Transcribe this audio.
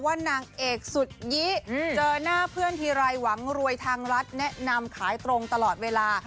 นางเอกสุดยีเจอหน้าเพื่อนทีไรหวังรวยทางรัฐแนะนำขายตรงตลอดเวลา